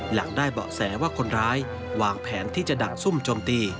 หลังได้เบาะแสว่าคนร้ายวางแผนที่จะดักซุ่มโจมตี